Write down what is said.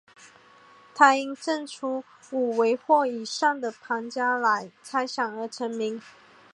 他因证出五维或以上的庞加莱猜想而成名。